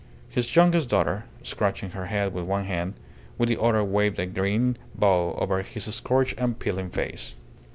His youngest daughter, scratching her head with one hand, with the other waved a green bough over his scorched and peeling face.